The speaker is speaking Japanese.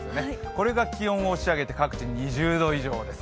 これが気温を押し上げて各地、２０度以上です。